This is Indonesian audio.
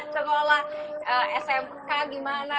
sekolah smk gimana